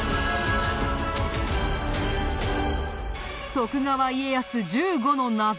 徳川家康１５の謎。